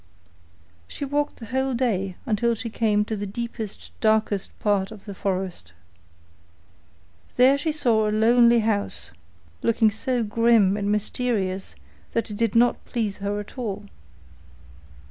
She walked the whole day until she came to the deepest, darkest part of the forest. There she saw a lonely house, looking so grim and mysterious, that it did not please her at all.